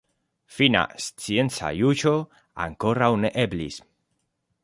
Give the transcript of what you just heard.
Fina scienca juĝo ankoraŭ ne eblis.